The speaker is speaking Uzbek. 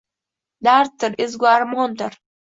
Darddir, ezgu armondir.